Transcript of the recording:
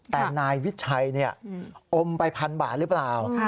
แต่นายวิชัยอมไปพันบาทหรือเปล่า